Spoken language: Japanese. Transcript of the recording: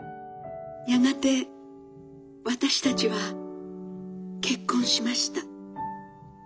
「やがて私たちは結婚しました。